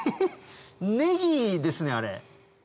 ネギですねあれ。